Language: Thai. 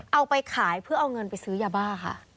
เอาไปขายเพื่อเอาเงินไปซื้อยาบ้าค่ะ